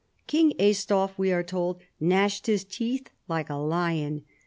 King Aistulf, we are told, " gnashed his teeth like a lion."